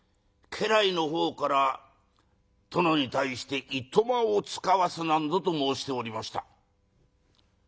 家来の方から殿に対していとまを遣わす』なんぞと申しておりました」。